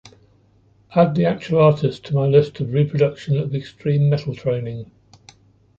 Ad the actual artist to my list of reproduction of extreme metal training.